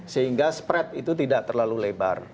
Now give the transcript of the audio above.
sehingga spread itu tidak terlalu lebar